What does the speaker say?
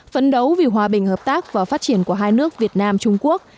phấn đấu vì hòa bình hợp tác và phát triển của hai nước việt nam trung quốc